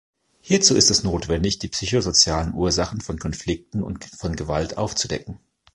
Hierzu ist es notwendig, die psychosozialen Ursachen von Konflikten und von Gewalt aufzudecken.